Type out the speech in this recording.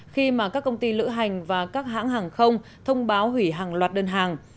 khi mà các công ty lữ hành và các hãng hàng không thông báo hủy hàng loạt đơn hàng